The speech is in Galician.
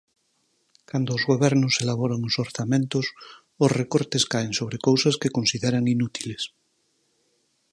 Cando os gobernos elaboran os orzamentos, os recortes caen sobre cousas que consideran inútiles.